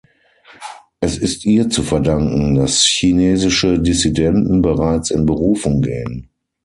Es ist ihr zu verdanken, dass chinesische Dissidenten bereits in Berufung gehen.